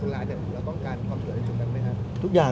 หมอบรรยาหมอบรรยา